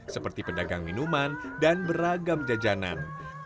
seperti pedagang minuman dan beragam jajanan